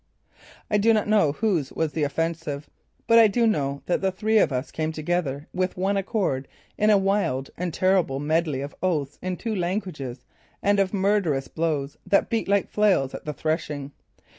I do not know whose was the offensive. But I do know that the three of us came together with one accord in a wild and terrible medley of oaths in two languages and of murderous blows that beat like flails at the threshing.